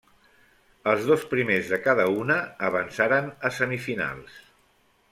Els dos primers de cada una avançaren a semifinals.